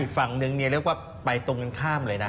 ฝั่งนึงเรียกว่าไปตรงกันข้ามเลยนะ